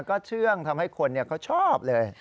ก็เชื่องทำให้คนเขาชอบเลย